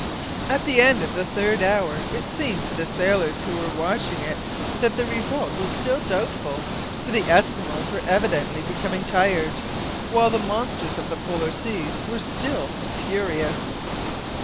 At the end of the third hour it seemed to the sailors who were watching it, that the result was still doubtful, for the Eskimos were evidently becoming tired, while the monsters of the Polar seas were still furious.